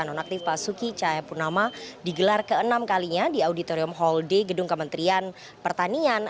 dan nonaktif pak suki cahayapunama digelar ke enam kalinya di auditorium hall d gedung kementerian pertanian